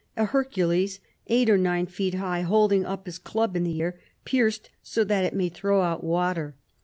" A Hercules eight or nine feet high, holding up his club in the air, pierced so that it may throw out water."